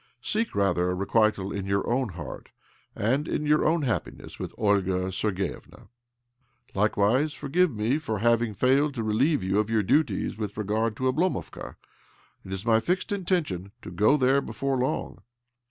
Seek, rather, requital in your own heart, and in your hap piness with Olga Sergievna. Likewise, for give me for having failed to relieve you of your duties with regard to Oblomovka. It is my fixed intention to go there before long."